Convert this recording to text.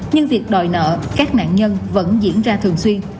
nhưng việc đòi nợ các nạn nhân vẫn diễn ra thường xuyên